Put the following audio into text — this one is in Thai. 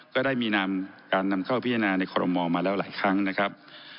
ก็ได้มีการนำเข้าพิจารณาในคอรมอลมาแล้วหลายครั้งนะครับ